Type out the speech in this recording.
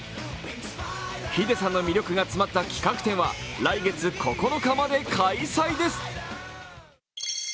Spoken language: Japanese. ＨＩＤＥさんの魅力が詰まった企画展は来月９日まで開催です。